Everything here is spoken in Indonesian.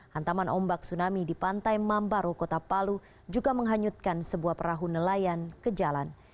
hantaman ombak tsunami di pantai mambaro kota palu juga menghanyutkan sebuah perahu nelayan ke jalan